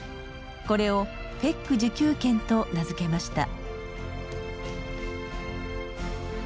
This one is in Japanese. これをＦＥＣ自給圏と名付けました。